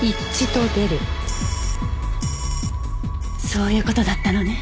そういう事だったのね。